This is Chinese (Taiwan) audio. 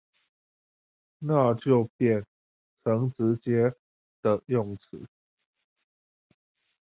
那就變成直接的用詞